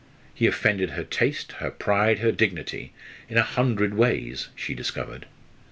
He offended her taste, her pride, her dignity, in a hundred ways, she discovered.